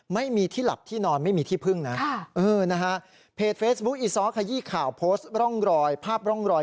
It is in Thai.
ไม่มีที่หลับที่นอนไม่มีที่พึ่งนะค่ะเออนะฮะเพจเฟสบุ๊กอีซ้อขยี้ข่าวโพสต์ร่องรอย